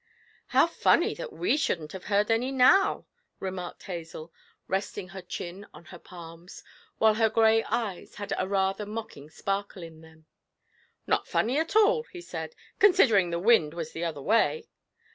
'How funny that we shouldn't have heard any now!' remarked Hazel, resting her chin on her palms, while her grey eyes had a rather mocking sparkle in them. 'Not funny at all,' he said, 'considering the wind was the other way.